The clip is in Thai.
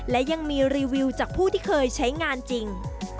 และยังมีรีวิวจากผู้ที่เคยใช้งานจริง